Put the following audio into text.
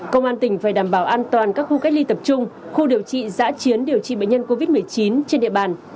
công an tỉnh phải đảm bảo an toàn các khu cách ly tập trung khu điều trị giã chiến điều trị bệnh nhân covid một mươi chín trên địa bàn